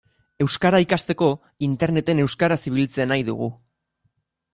Euskara ikasteko Interneten euskaraz ibiltzea nahi dugu.